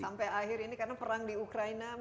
sampai akhir ini karena perang di ukraina